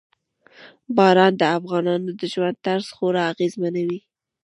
باران د افغانانو د ژوند طرز خورا اغېزمنوي.